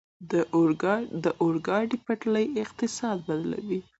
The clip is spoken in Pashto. د اورګاډي پټلۍ اقتصاد بدل کړ.